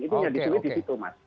itu jadi tweet di situ mas